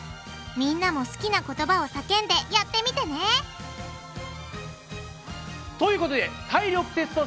みんなも好きな言葉を叫んでやってみてね！ということで体力テスト